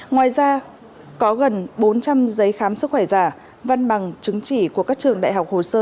ngoài ra có gần bốn trăm linh giấy khám sức khỏe giả văn bằng chứng chỉ của các trường đại học hồ sơ